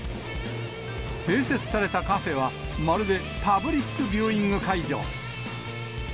併設されたカフェは、まるでパブリックビューイング会場。